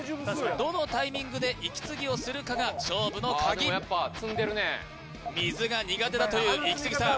どのタイミングで息継ぎをするかが勝負のカギ水が苦手だというイキスギさん